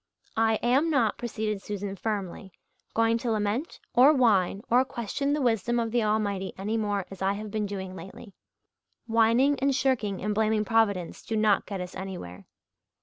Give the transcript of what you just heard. "I am not," proceeded Susan firmly, "going to lament or whine or question the wisdom of the Almighty any more as I have been doing lately. Whining and shirking and blaming Providence do not get us anywhere.